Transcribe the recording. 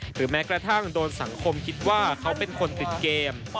แม้กระทั่งโดนสังคมคิดว่าเขาเป็นคนปิดเกม